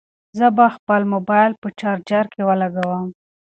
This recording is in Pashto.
زه به خپل موبایل په چارجر کې ولګوم.